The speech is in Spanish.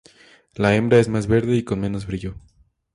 La hembra es más verde y con menos brillo.